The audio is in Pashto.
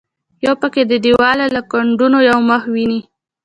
یو پکې د دیواله له کنډوه یو مخ وویني.